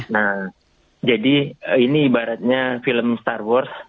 nah jadi ini ibaratnya film star wars